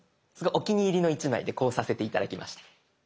お気に入りの一枚でこうさせて頂きました。